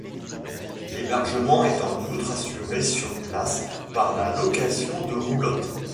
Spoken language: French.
L'hébergement est en outre assuré sur place par la location de roulottes.